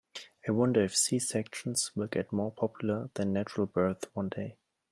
I wonder if C-sections will get more popular than natural births one day.